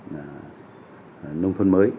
nông thôn mới